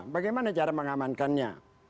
bagaimana cara mengamankannya